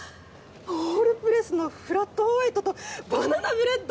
ホールプレスのフラットホワイトとバナナブレッド